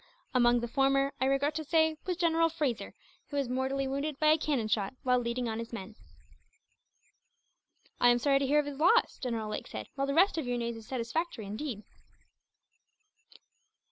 Among the former, I regret to say, was General Fraser, who was mortally wounded by a cannon shot, while leading on his men." "I am sorry to hear of his loss," General Lake said, "while the rest of your news is satisfactory, indeed.